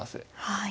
はい。